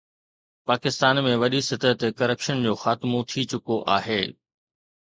پاڪستان ۾ وڏي سطح تي ڪرپشن جو خاتمو ٿي چڪو آهي.